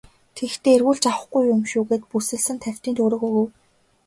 Тэгэхдээ эргүүлж авахгүй юм шүү гээд бүсэлсэн тавьтын төгрөг өгөв.